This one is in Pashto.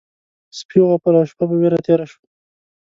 سپي وغپل او شپه په وېره تېره شوه.